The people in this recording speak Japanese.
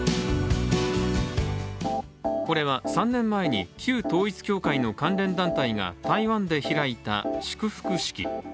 これは３年前に旧統一教会の関連団体が台湾で開いた祝福式。